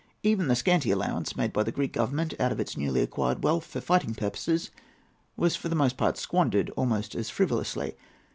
] Even the scanty allowance made by the Greek Government out of its newly acquired wealth for fighting purposes was for the most part squandered almost as frivolously.